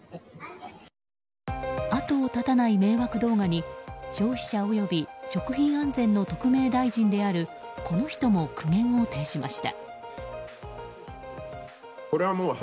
後を絶たない迷惑動画に消費者および食品安全の特命大臣であるこの人も苦言を呈しました。